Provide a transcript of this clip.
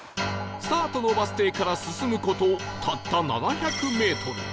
スタートのバス停から進む事たった７００メートル